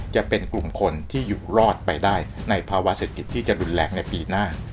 จะเป็นกลุ่มคนที่อยู่รอดไปได้ในภาวะเศรษฐกิจที่จะรุนแรงในปีหน้า